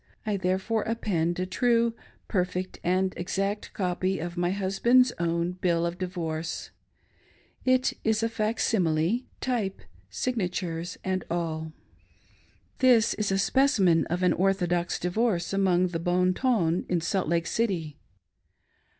I therefore append a true, perfect, and exact copy of my husband's own bill of di vorce. It is a /ac simile — type, signatures, and all; This is 5S6 MY NEW Position. a specimen of an orthodok divorce aniong the Von toil in Salt Lake City.